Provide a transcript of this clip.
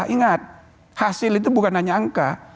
ingat hasil itu bukan hanya angka